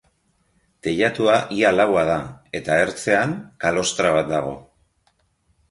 Teilatua ia laua da, eta, ertzean, kalostra bat dago.